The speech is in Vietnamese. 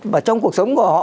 và trong cuộc sống của họ